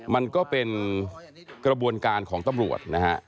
มันก็เป็นกระบวนการของตำรวจนะฮะ